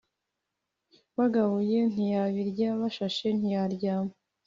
Bagabuye ntiyabiryaBashashe ntiyaryama